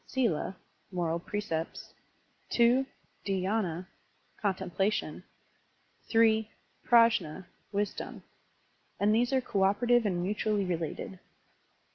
^tla (moral precepts), 2, Dhydna (con templation), 3, Prajnd (wisdom); and these are cooperative and mutually related.